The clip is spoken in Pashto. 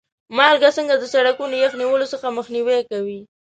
مالګه څنګه د سړکونو یخ نیولو څخه مخنیوی کوي؟